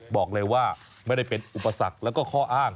บอกเลยว่าไม่ได้เป็นอุปสรรคแล้วก็ข้ออ้าง